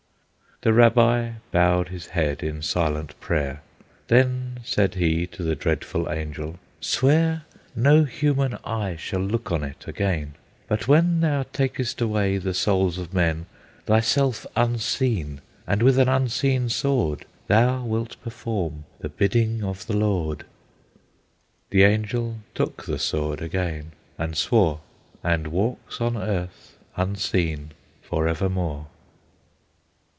The Rabbi bowed his head in silent prayer; Then said he to the dreadful Angel, "Swear, No human eye shall look on it again; But when thou takest away the souls of men, Thyself unseen, and with an unseen sword, Thou wilt perform the bidding of the Lord." The Angel took the sword again, and swore, And walks on earth unseen forevermore.